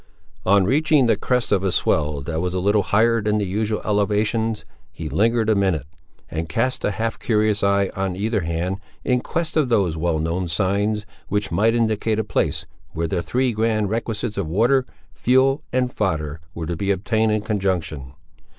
On reaching the crest of a swell that was a little higher than the usual elevations, he lingered a minute, and cast a half curious eye, on either hand, in quest of those well known signs, which might indicate a place, where the three grand requisites of water, fuel and fodder were to be obtained in conjunction.